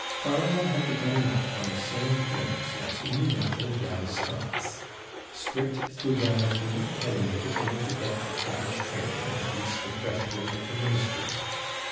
Carlyle had begun life on the same terms as innumerable young Scots. Strict frugality had enabled him to get a college training and reach the threshold of the ministry.